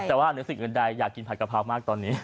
แต่ว่าเหนือสิ่งอื่นใดอยากกินผัดกะเพรามากตอนนี้